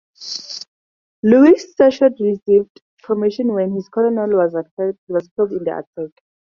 Louis Suchet received promotion when his colonel was killed in the attack.